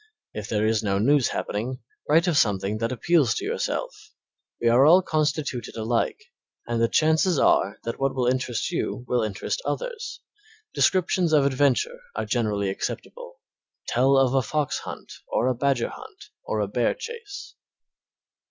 If there is no news happening, write of something that appeals to yourself. We are all constituted alike, and the chances are that what will interest you will interest others. Descriptions of adventure are generally acceptable. Tell of a fox hunt, or a badger hunt, or a bear chase.